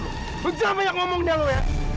lu jangan banyak ngomongnya lu ya